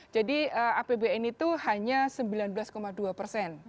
jadi apbn itu hanya sembilan belas dua persen